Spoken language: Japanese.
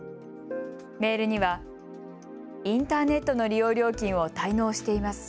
メールにはインターネットの利用料金を滞納しています。